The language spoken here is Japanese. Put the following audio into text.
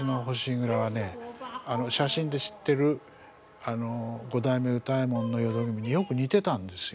写真で知ってる五代目歌右衛門の淀君によく似てたんですよ。